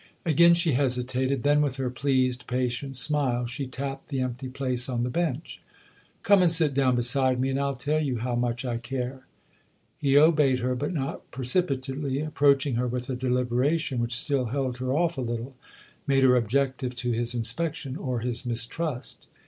" Again she hesitated; then, with her pleased, patient smile, she tapped the empty place on the bench. " Come and sit down beside me, and I'll THE OTHER HOUSE 211 tell you how much I care." He obeyed her, but not precipitately, approaching her with a deliberation which still held her off a little, made her objective to his inspection or his mistrust.